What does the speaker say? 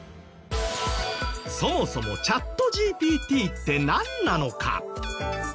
そもそもチャットＧＰＴってなんなのか？